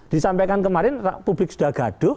disampaikan kemarin publik sudah gaduh